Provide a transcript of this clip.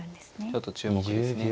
ちょっと注目ですね。